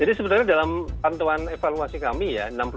jadi sebenarnya dalam pantauan evaluasi kami ya